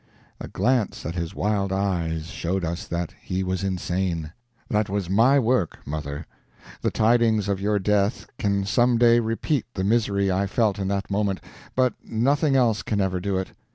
A glance at his wild eyes showed us that he was insane. That was my work, mother! The tidings of your death can some day repeat the misery I felt in that moment, but nothing else can ever do it.